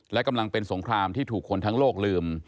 และกำลังเป็นสงครามที่ถูกคนทั้งโลกลืม